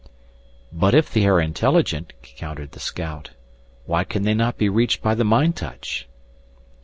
"But if they are intelligent," countered the scout, "why can they not be reached by the mind touch?"